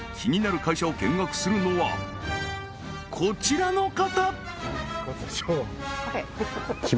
会社を見学するのはこちらの方！